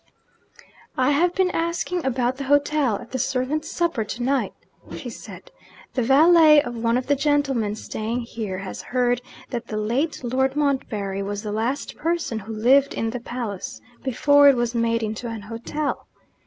'I have been asking about the hotel, at the servants' supper to night,' she said. 'The valet of one of the gentlemen staying here has heard that the late Lord Montbarry was the last person who lived in the palace, before it was made into an hotel.